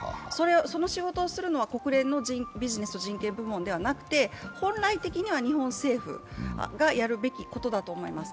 その仕事をするのは国連のビジネスと人権部門ではなくて本来的には、日本政府がやるべきことだと思います。